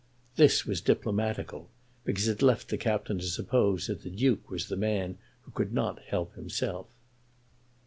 This was diplomatical, because it left the Captain to suppose that the Duke was the man who could not help himself.